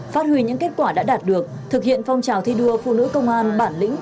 phát huy những kết quả đã đạt được thực hiện phong trào thi đua phụ nữ công an bản lĩnh